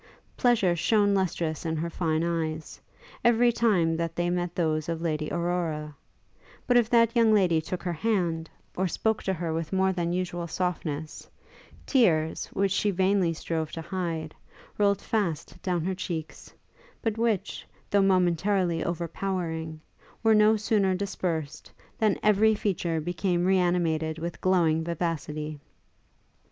Pleasure shone lustrous in her fine eyes, every time that they met those of Lady Aurora; but if that young lady took her hand, or spoke to her with more than usual softness, tears, which she vainly strove to hide, rolled fast down her cheeks, but which, though momentarily overpowering, were no sooner dispersed, than every feature became re animated with glowing vivacity.